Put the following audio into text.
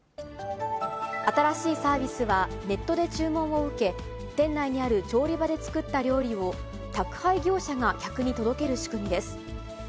新しいサービスは、ネットで注文を受け、店内にある調理場で作った料理を宅配業者が客に届ける仕組みです。